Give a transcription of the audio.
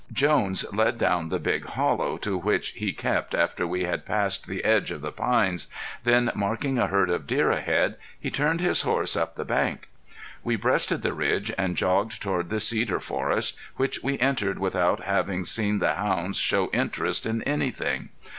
Jones led down the big hollow to which he kept after we had passed the edge of the pines; then marking a herd of deer ahead, he turned his horse up the bank. We breasted the ridge and jogged toward the cedar forest, which we entered without having seen the hounds show interest in anything.